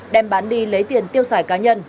đem bán đi lấy tiền tiêu xài